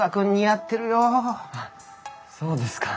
あっそうですか？